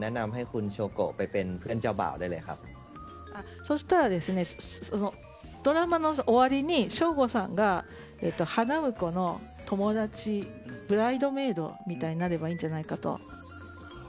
そしたら、ドラマの終わりに省吾さんが花婿の友達ブライドメイドみたいになればいいんじゃないかと。